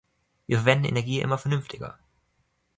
Wir verwenden Energie immer vernünftiger.